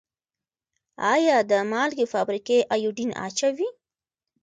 آیا د مالګې فابریکې ایوډین اچوي؟